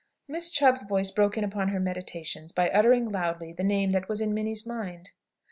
Miss Chubb's voice broke in upon her meditations by uttering loudly the name that was in Minnie's mind.